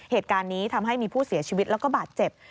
เหตุการณ์นี้ทำให้มีผู้เสียชีวิตแล้วก็บาดเจ็บ